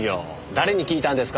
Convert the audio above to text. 誰に聞いたんですか？